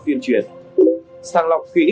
tuyên truyền sàng lọc kỹ